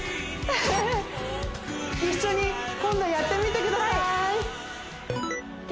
一緒に今度やってみてください